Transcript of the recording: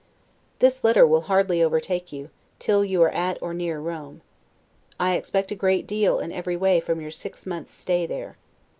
This letter will hardly overtake you, till you are at or near Rome. I expect a great deal in every way from your six months' stay there.